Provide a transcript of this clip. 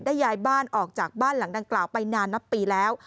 ย้ายบ้านออกจากบ้านหลังดังกล่าวไปนานนับปีแล้ว